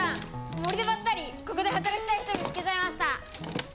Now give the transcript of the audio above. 森でばったりここで働きたい人見つけちゃいました。